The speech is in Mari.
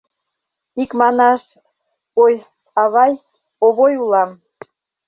— Икманаш, ой, авай, Овой улам.